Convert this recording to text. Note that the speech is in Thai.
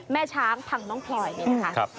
แม่ช้างทางน้องพรอยกันนะคะ